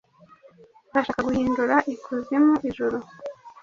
Urashaka guhindura ikuzimu ijuru?